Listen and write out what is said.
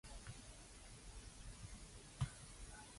做狗會斷六親㗎